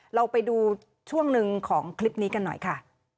เราไปดูช่วงหนึ่งของคลิปนี้กันหน่อยค่ะ